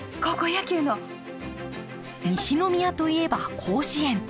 西宮といえば甲子園。